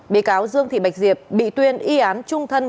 bị cáo dương thị bạch diệp bị tuyên y án trung thân